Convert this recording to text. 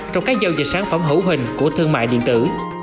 trong các giao dịch sản phẩm hữu hình của thương mại điện tử